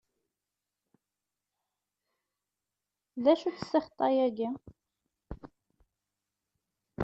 D acu-tt ssixṭa-agi?